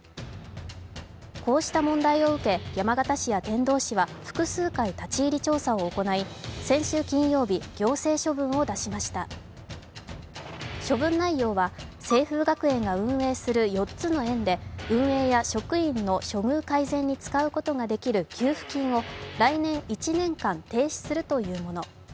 こうした問題を受け山形市や天童市は複数回立ち入り調査を行い、先週金曜日、行政処分を出しました処分内容は清風学園が運営する４つの園で運営や職員の処遇改善に使うことができる給付金を来年１年間停止するというもの。